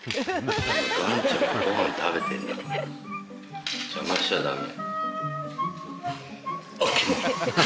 今がんちゃんがご飯食べてんだから邪魔しちゃ駄目。